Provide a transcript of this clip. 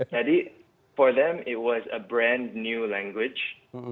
jadi untuk mereka itu adalah bahasa baru